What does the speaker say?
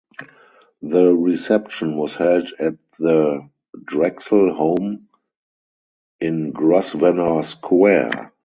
The reception was held at the Drexel home in Grosvenor Square.